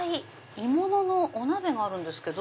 鋳物のお鍋があるんですけど。